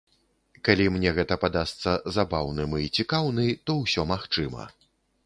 Калі мне гэта падасца забаўным і цікаўны, то ўсё магчыма.